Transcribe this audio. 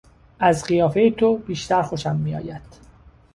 از قیافهی تو بیشتر خوشم میآید.